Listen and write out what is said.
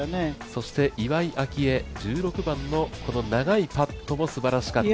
そして岩井明愛、１６番のこの長いバーディーパットもすばらしかった。